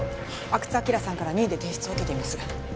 阿久津晃さんから任意で提出を受けています